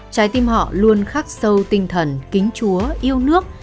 trái tim họ luôn khắc sâu tinh thần kính chúa yêu nước